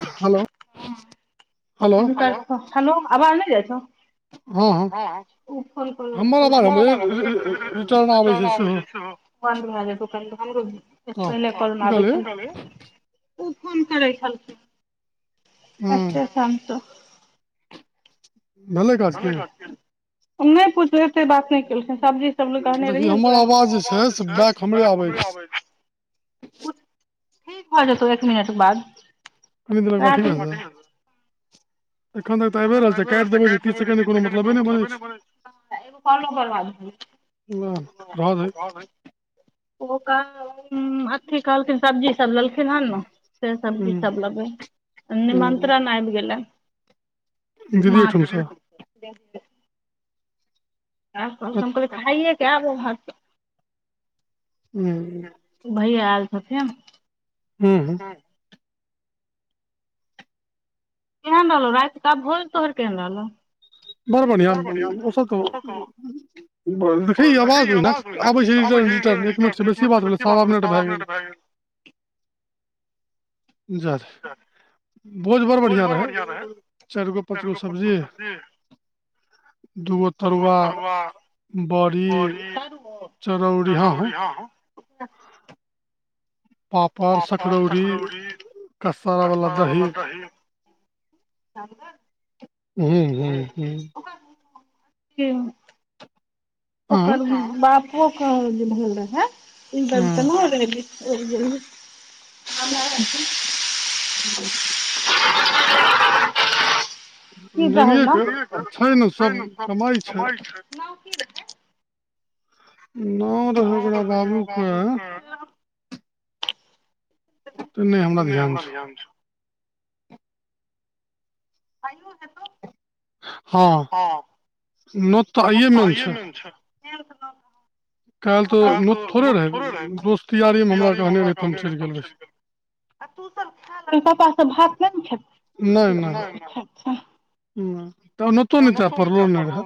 [unintelligible] Hello आबाज नै जाय छौ? हँ विचार आै छै [unintelligible] बन्द भए जेतौ हमरो पहिने कम आबै छल [unintelligible] उ फोन करै छलखिन एसटेसन स भेलय क [unintelligible] नै पूछ रहेे बात नहि [unintelligible] [unintelligible] सब्जी सब कहने रहियै ने उएह उ त ठीक भऽ जेतौ एखने एकर बाद कनी दिनक बाद ठीक ने एखन धैर तऽ आबे रहल छै काटि देबय तऽ [unintelligible] तीस सेकन्ड के कोनो मतलब नै बनय छै बाह रह दही ओ कह [unintelligible] हूँ अथी कहलखिन सब्जी सब लेलखिन हन न से सब्जी सब लेबै निमन्त्रन आएब गेलय दीदी एठूम सऽ ह [unintelligible] आ हम कहै तऽ भाइयेक आइब ओ हाऽत [unintelligible] हूँ भैया आयल छथीन हूँ हूँ केहन रहलौ राति का भोज तोहर केहन रहलौ बड बढियां ओसत देखी ई आवाज ओहीना आबै छै रिटर्न एक मिनटसँ बेसी भेलै सवा मिनट भए गेलै जर भोज बड़ बढ़िआं रहै चारि गो पाँच गो सब्जी दूगो तरुआ बड़ी चरौरी हँ हँ पापड़ सकड़ौरी तस्तारा वला दही [unintelligible] हू हू हू हू ओकर बापोके जे भेल रहे हे ई ब त नहि [unintelligible] हूँ की कहलौं? ना रहै ओकरा बाबूके ओतऽ नहि हमरा ध्यान छौ। अइयो हेतौ। हँ नोत तऽ आइये मेन छैय। आयल तऽ [unintelligible] काल्हि तऽ नोत थोड़े रहै। दोस्तयारीमे हमरा कहने रहै तऽ हम चलि गेल रही। आ तू सब खाई लेल पापा सब भात नहि ने खेतय मतलब छाअच्छा। ह त नोतो नय तोरा पर्लो नै रहै।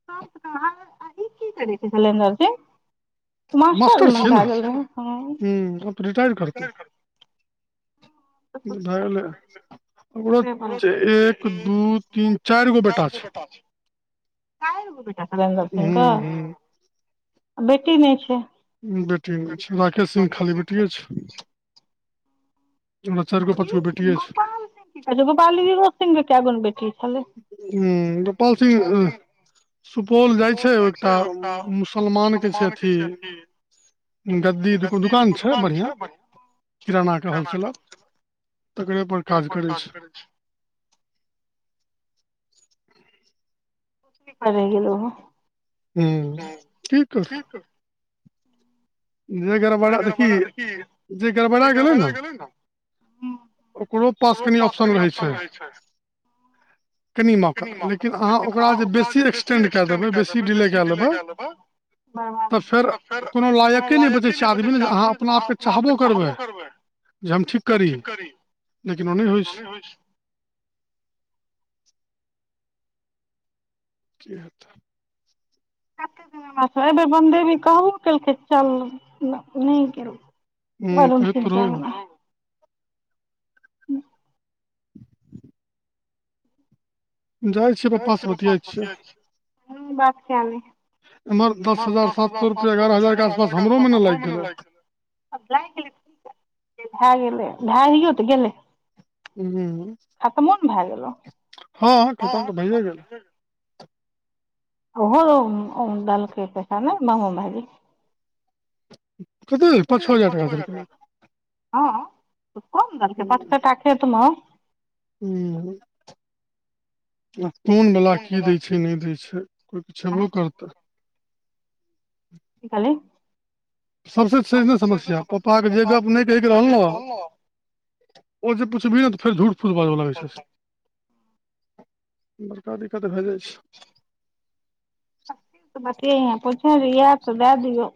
[unintelligible] मास्टरमे भए गेलऽ रहै। दूध आ गेलय। ओकरो एक दू तीन चारि गो बेटा छैय। चारि गो बेटा शरलेन्दर सिंह कऽ बेटी नहि छैय। बेटी नहि छैय राकेश सिंहक खाली बेटिए छैय। छैय गोपालो सिंहके कायगो ने बेटी छलै। ह गोपाल सिंह सुपौल जाइ छैय एकटा मुसलमान के छैय अथी गद्दी दुगो दुकान छैय बढ़िआँ किरानाके होलसेलर। तकरे पर काज करै छैय। [unintelligible] हू ठीक कर जे गरबड़ा देखी जे गड़बड़ा गेलै ने ओकरो पास कनि ऑप्शन रहै छैय। कनि मौका लेकिन अहाँ ओकरा जे बेसी एक्सटेंड कए देबै बेसी डिले कए लेबै तऽ फेर कोनो लायके नहि बचै छैय आदमी ने जे अहाँ अपना आपके चाहबो करबै जे हम ठीक करी लेकिन ओ नहि होइ छैय। की हतऽ? कते दिनक बाद एहि बेर बन्देवी कहबो केलकै चल नहि गेलौं। [unintelligible] हूं जाइत छियै पप्पास बतियेय छियै। ह बात क्य ले। एम्हर दस हजार सात सए रुपआ एगारह हजारके आसपास हमरोमे ने लागि गेलै। भए गेलै क भए गेलै भए जइयौ तऽ गेलै। हूं हँ खतम तऽ भये गेलय। ओहो डालकै पैसा ने बामू भायजी। कते पाँच छ हजार टाका देलकै हँ त कम देलकै पाँच कठा खेतमे हूँ आ कोन वला की दै छै नै दै छै कोइ किछ हेबो करतै कि कहली सबसे छै नै समस्या पपाके जे गप नै कहिके रहल न ओ जे पुछबीही न त फेर झूठ फूस बाजऽ लागै छथीन बड़का दिक्कत भे जाइ छै [unintelligible] दए दियौ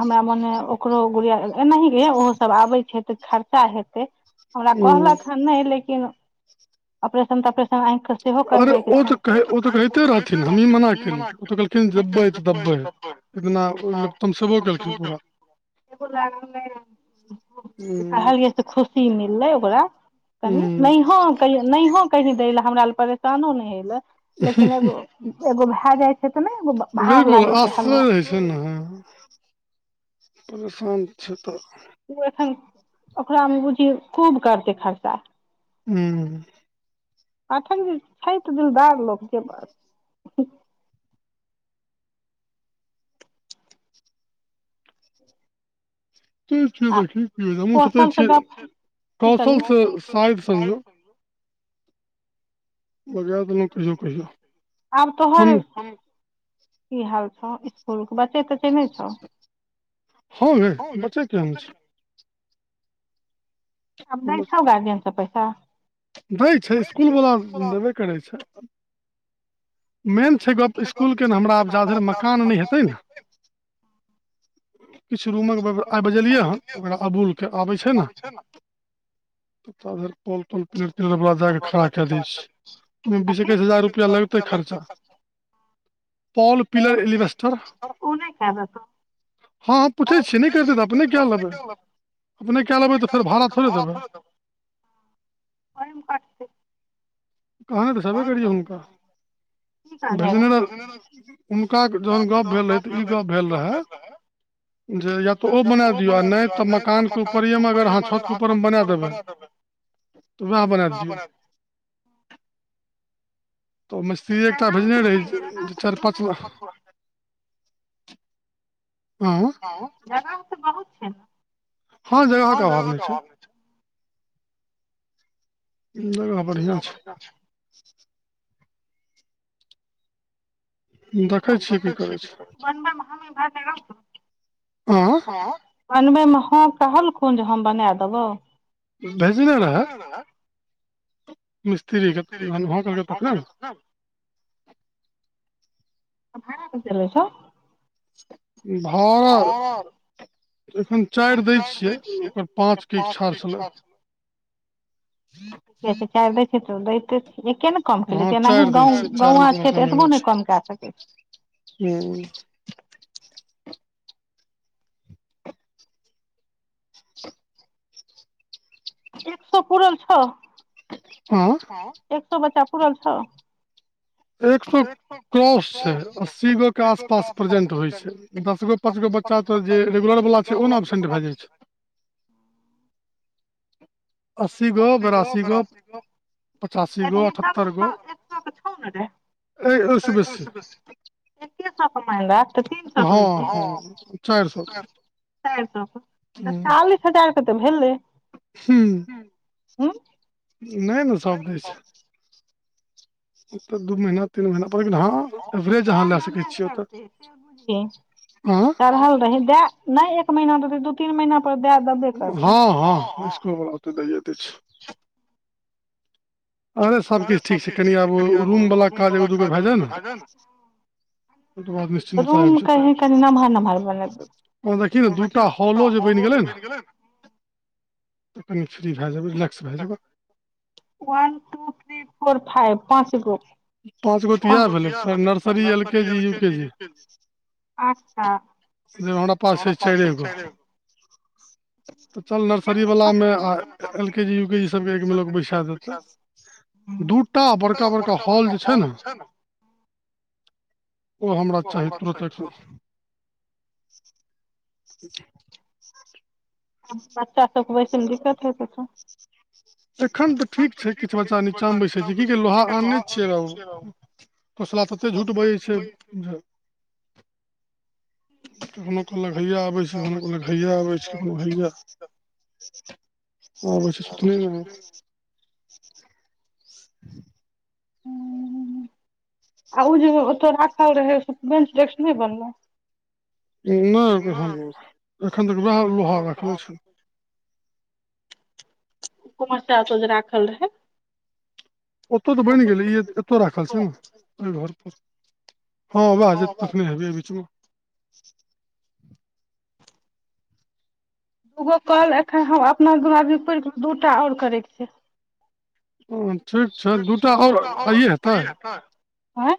हमरा मोने ओकरो गुड़िया एनाहि ओहो सब आबै छै तऽ खर्चा हेतै हमरा कहलक हन नै लेकिन ऑपरेशन तपरेशन आँख के सेहो करबै के छैन ओ तऽ कहीते रहथिन हमई मना केलियै [unintelligible] इिना तमसेबो केलखिन पूरा [unintelligible] ो लाग [unintelligible] कहलियै से खुशी मिललै ओकरा कनि नै हो क नैहो कहि दैलए हमरा लए परेशानो नै होइलेए [unintelligible] भार लागै छै हलुक परेशान छै तऽ ऊ एखन ओकरामे बुझिय खूब करतै खर्चा ऊं पाठक जेी छै तऽ दिलदार लोक जे [unintelligible] [unintelligible] कौशल स शायद संजो ओ [unintelligible] [unintelligible] आब तोहर की हाल हँ इसकुल बच्चे तच्चे नै छौ हँ गै बचे किया नै छै दै छै इसकुल बला देबे करै छै मेन छै गप इसकुलके न हमराब जा धर मकान नै हेतै न किछु रूमक आ बजेलियै हन ओकरा अबूलके आबै छै न पार पल तल पेर पलेर बला दय क खड़ा कए दै छै [unintelligible] बीस एकैस हजार रुपैआ लगतै खर्चा पॉल पिलर एलिवेस्टर हँ पूछै छियै नै करतै तऽ अपने किए लेबै अपने कए लेबै तऽ फेर भाड़ा थो भाड़ा ओमे कट छै [unintelligible] कहनेत छेबे करियए हुनका भेजने र हुनका जहन गप्प भेल रहै तऽ ई गप्प भेल रहै जे या तऽ ओ बनाए दियौ आ नै तऽ मकानके ऊपरएमे अगर अहाँ छतके ऊपरमे बनाए देबै तु वएह बना दियौ तऽ ओ मसी एकटा भेजने रहै छै जे चारि पाँच ला हँ अँ जगह तऽ बहुत छै न हँ जगह के अभाव नै छै जगह बढ़ियां छै दखै छियै की करै छियै कि करै छै बनब मे हमहि [unintelligible] हँ हँ बनबैमे हँ कहलखुन जे हम बनै देबौ भेजने रहैय मिस्त्री कऽ [unintelligible] तऽ भाड़ा पर चलै छै [unintelligible] एखैन चाइर दै छियै ओकर पाँच केँ इच्छा छलै। [inaudible] ठीके छै चाइर दै छै तऽ दैत छै एके नऽ कम केलकै एनाही गाँव - गाँवा छै तऽ एतनो नय कम कए सकै हुँ [inaudible] एक सौ पुरल छौ हँ एक सौ बच्चा पूरल छौ। एक सौ क्रॉस छै अस्सी गो केँ आस - पास प्रजेंट होइ छै एकरा सब कऽ पाँच गो बच्चा तऽ जे रेगुलर बला छै ओ नऽ एबसेन्ट भऽ जाइ छै अस्सी गो बेरासी गो पचासी गो अठत्तर गो अई ओ सँ बेसी छे सौ केँ महिना तऽ तीन सौ केँ लय छै चाइर सौ चाइर सौ कऽ तऽ चालीस हजार कऽ तऽ भेलै हुँ नय नऽ सब दै छै ओते दू महिना तीन महीना पर लेकिन हँ एवरेज अहाँ लैय सकै छियै ओतेऽ से बुजही चढ़ल रहै दै नय एक महीना देतै दू तीन महिना पर दै द हँ हँ इसकुल वला ओते दइये दैय छै अरे सबकिछ ठीक छै कनि आब रूम वाला काज एगो दूगो भैय जाय नऽ [unintelligible] रूम कहि कनि नमहर नमहर बनैबे ओयमे देकही नऽ दूटा हॉलो जे बनि गेलै नऽ तऽ कनि फ्री भए जेबै रिलैक्स भए जेबै one, two, three, four, five पाॅच गो पाॅंच गो तऽ यैह भेलै खाली nursery, L K G, U K G आठ टा तैय मे हमरा पास छै चाइरे गो तऽ चल नर्सरीवलामे आ एल के जी, यू के जी सभ केँ एक मे लोक बैसा देतै दू टा बड़का बड़का हॉल जे छै नऽ ओ हमरा चाही तुरत एखन [inaudible] तब बच्चा सबके बैसै मे दिक्कत होइत हेतो एखन तऽ ठीक छै किछ बच्चा नीचाँ मे बैसै छै की कहै लोहा आनने छियै हेबा उ कोसला तते झूठ बजै छै जे कखनो कहालक हैया आबै छी कखनो कहलक हैया आबै छै कखनो हैया [inaudible] [unintelligible] आ उ जे ओते राखल रहै बेंच डेस्क नहि बनलै नहि हम एखन तक वएह लोहार रखनेे छी कुमरसिया ओतऽ जे राखल रहै ओतऽ तऽ बनि गेलै ई एतऽ राखल छै न एहि घर पर हँ ओएह जे तखने हेबै बीच मे उहो कहलक एखन हम अपना घरमे पुरि क दू टा आओर करैके छै हँ ठीक छै दूटा आओर आइयै हेतै आँय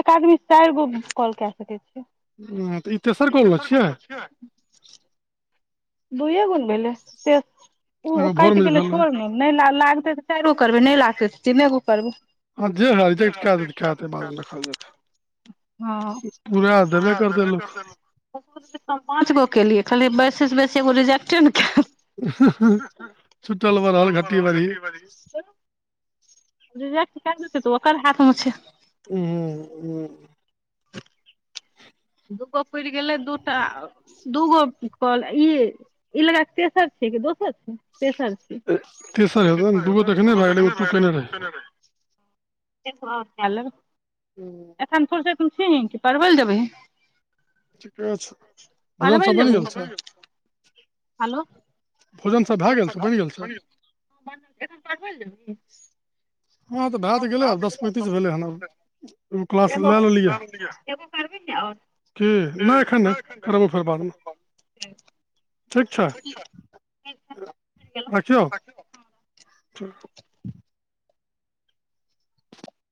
एक आदमी चारि गो कॉल कए सकै छियै हूँ हँ तऽ ई तेसर कॉल न छियै दुयए गो न भेलै त उ कटि गेलै छोड़ऽ न नहि ला-लागतै तऽ चारि गो करबै नहि लागतै तऽ तीने गो करबै हँ जे हा रिजेक्ट कए देतै बादमे देखल जेतै पूराऽ देबे करतै लोक पाँच गो केिए केलिए बेसी स बेसी एगो रिजेक्ट छूटल बड़हल घटी बढ़ि रिजेक्ट कर देतै तऽ ओकर हाथमे छै हूँ हूम दूगो पुुरि गेलै दू टा दूगो कॉल ई इ लगाक तेसर छियै की दोसर छै तेसर छै ए- तेसर हैतै न दूगो तखने भए गेलै एगो तू केने रहीं एगो आओर काए लेबै [unintelligible] एखन फुरसै तम छीही कि पढ़वै मे जेबही ठीके छै पढ़बै ला जेबहीं हेलो भोजन सब भए गेल छै बनि गेल छै [unintelligible] [inaudible] हँ तऽ भए त गेलै आब दस पैंतीस भेलै हन अब एगो क्लास लए लेलियै हन के नहि एखन नै करबो फेर बादमे [unintelligible] ठीक छै रखियौ ठीक